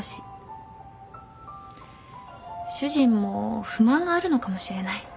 主人も不満があるのかもしれない。